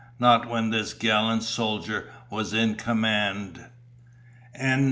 Not when this gallant soldier was in command.